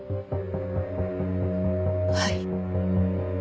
はい。